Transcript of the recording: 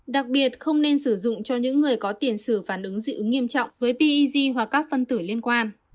đặc biệt không nên sử dụng cho những người có tiền xử phản ứng dị ứng nghiêm trọng với pez hoặc các phân tử liên quan